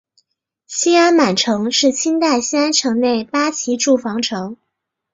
西安满城是清代西安城内的八旗驻防城。